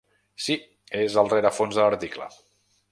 Sí, és el rerefons de l’article.